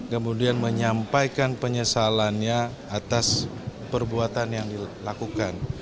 kemudian menyampaikan penyesalannya atas perbuatan yang dilakukan